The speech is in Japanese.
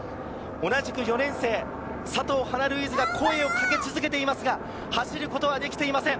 同じく４年生、佐藤華ルイーズが声をかけ続けていますが、走ることはできていません。